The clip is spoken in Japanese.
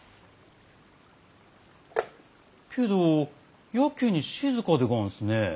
けどやけに静かでがんすね。